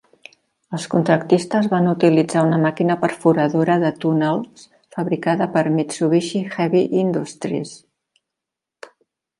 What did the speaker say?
Els contractistes van utilitzar una màquina perforadora de túnels fabricada per Mitsubishi Heavy Industries.